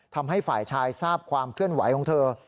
ทำให้ฝ่ายชายทราบความเคลื่อนไหวของเธอ